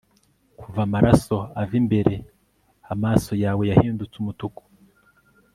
kuva amaraso ava imbere, amaso yawe yahindutse umutuku